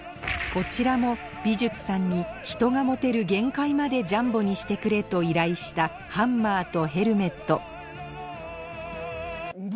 こちらも美術さんに人が持てる限界までジャンボにしてくれと依頼したハンマーとヘルメット